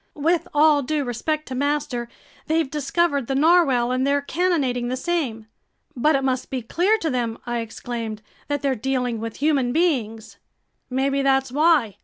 "With all due respect to master, they've discovered the narwhale and they're cannonading the same." "But it must be clear to them," I exclaimed, "that they're dealing with human beings." "Maybe that's why!"